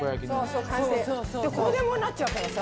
これでもうなっちゃうからさ